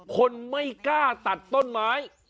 คนไม่กล้าตัดต้นไม้